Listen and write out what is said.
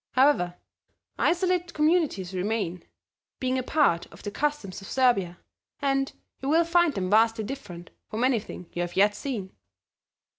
However, isolated Communities remain, being a part of the customs of Servia, and you will find them vastly different from anything you have yet seen."